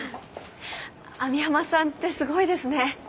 網浜さんってすごいですね。